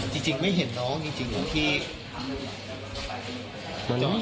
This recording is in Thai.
จริงไม่เห็นน้องจริงเหรอพี่